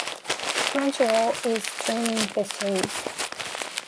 Crunchyroll is streaming the series.